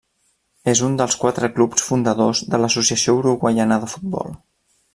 És un dels quatre clubs fundadors de l'Associació Uruguaiana de Futbol.